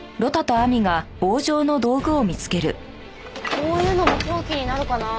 こういうのも凶器になるかな？